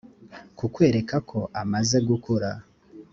kukwereka ko amaze gukura